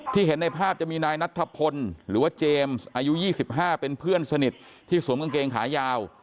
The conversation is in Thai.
เห็นในภาพจะมีนายนัทธพลหรือว่าเจมส์อายุ๒๕เป็นเพื่อนสนิทที่สวมกางเกงขายาว